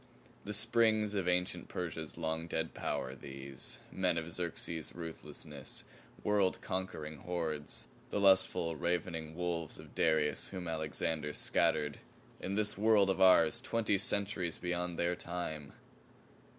The springs of ancient Persia's long dead power, these. Men of Xerxes's ruthless, world conquering hordes; the lustful, ravening wolves of Darius whom Alexander scattered in this world of ours twenty centuries beyond their time!